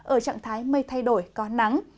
ở trạng thái mây thay đổi có nắng